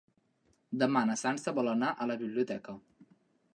Demà na Sança vol anar a la biblioteca.